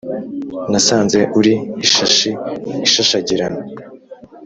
nasanze uri ishashi ishashagirana